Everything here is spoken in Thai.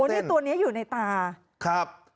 โหเข้าตัวนี้อยู่ในตา